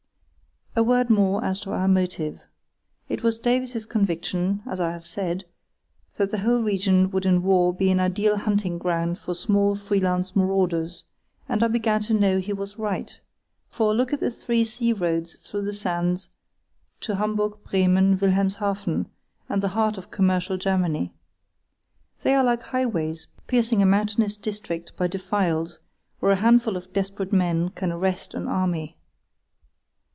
A word more as to our motive. It was Davies's conviction, as I have said, that the whole region would in war be an ideal hunting ground for small free lance marauders, and I began to know he was right; for look at the three sea roads through the sands to Hamburg, Bremen, Wilhelmshaven, and the heart of commercial Germany. They are like highways piercing a mountainous district by defiles, where a handful of desperate men can arrest an army.